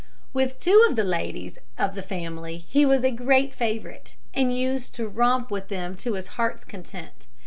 With two of the ladies of the family he was a great favourite, and used to romp with them to his heart's content.